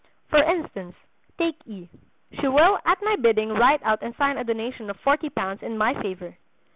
For instance, take E. She will at my bidding write out and sign a donation of forty pounds in my favor.